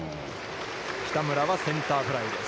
北村はセンターフライです。